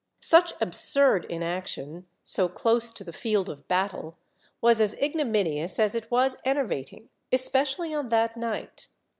Such absurd inaction, so close to the field of battle, was as ignominious as it was enervating, especially on that night.